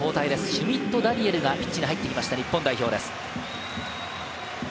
シュミット・ダニエルがピッチに入ってきました、日本代表です。